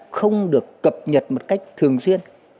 không được cập nhật một cách thường xuyên